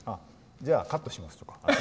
じゃあ、カットしますとか。